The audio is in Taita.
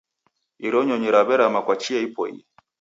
Iro nyonyi raw'erama kwa chia ipoie.